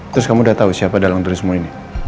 terus kamu udah tau siapa dalang turismu ini